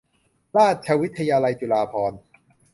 ราชวิทยาลัยจุฬาภรณ์